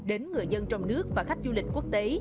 đến người dân trong nước và khách du lịch quốc tế